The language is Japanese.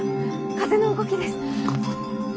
風の動きです。